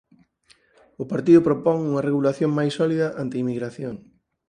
O partido propón unha regulación máis sólida ante a inmigración.